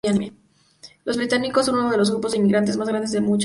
Los británicos son uno de los grupos de inmigrantes más grandes en muchas ciudades.